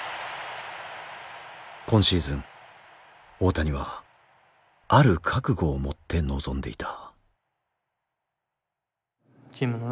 今シーズン大谷はある覚悟を持って臨んでいた。